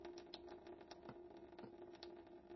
Kifo chake ni uuaji wa binadamu na mashtaka yanakwenda